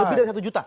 lebih dari satu juta